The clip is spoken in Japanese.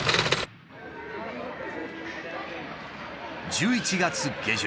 １１月下旬